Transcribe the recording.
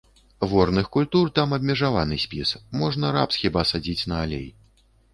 Ворных культур там абмежаваны спіс, можна рапс хіба садзіць на алей.